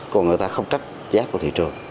còn người ta không trách giá của thị trường